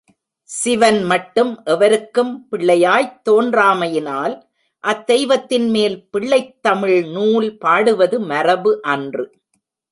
சிவன் மட்டும் எவருக்கும் பிள்ளையாய்த் தோன்றாமையினால், அத்தெய்வத்தின் மேல் பிள்ளைத் தமிழ் நூல் பாடுவது மரபு அன்று.